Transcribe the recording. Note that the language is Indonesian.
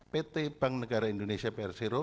pt bank negara indonesia persero